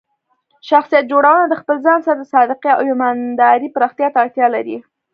شخصیت جوړونه د خپل ځان سره د صادقۍ او ایماندارۍ پراختیا ته اړتیا لري.